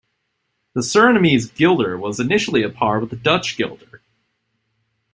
The Surinamese guilder was initially at par with the Dutch guilder.